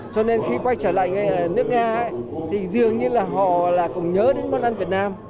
cho nên khi quay trở lại nước nga thì dường như là họ là cũng nhớ đến món ăn việt nam